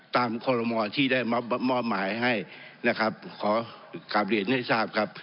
ตามคอลโมที่ได้มอบหมายให้นะครับขอกลับเรียนให้ทราบครับ